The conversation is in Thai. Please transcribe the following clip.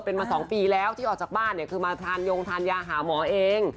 เป็นมา๒ปีแล้วที่ออกจากบ้านเนี่ยคือมาทานยงทานยาหาหมอเอง